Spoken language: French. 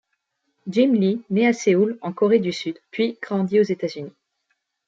Jim Lee naît à Séoul, en Corée du Sud puis grandit aux États-Unis.